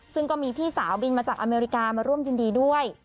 ซึ่งก็มีพี่สาวบินมาจากอเมริกามาร่วมยินดีด้วย